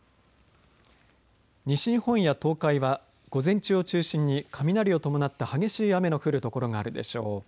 西日本や東海は午前中を中心に雷を伴った激しい雨の降る所があるでしょう。